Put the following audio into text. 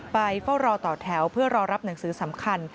เฝ้ารอต่อแถวเพื่อรอรับหนังสือสำคัญ